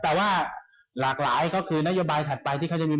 แต่ว่าหลากหลายก็คือนโยบายถัดไปที่เขาจะมี